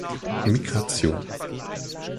Migration.